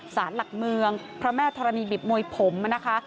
สารหลักเมืองพระแม่ธรณีบิบมวยผมนะคะ